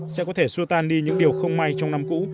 sẽ có thể xua tan đi những điều không may trong năm cũ